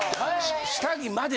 下着まで。